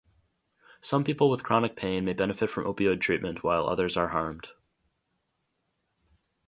Some people with chronic pain may benefit from opioid treatment while others are harmed.